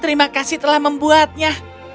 terima kasih telah membuatnya